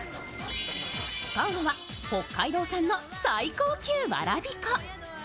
使うのは北海道産の最高級わらび粉。